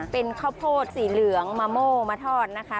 เป็นข้าวโพดสีเหลืองมะโม่มาทอดนะคะ